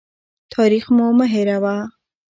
تاریخ مو مه هېروه.